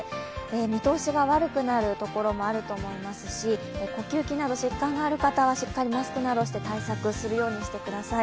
見通しが悪くなるところもあると思いますし呼吸器など疾患がある方はしっかりマスクなどして対策するようにしてください。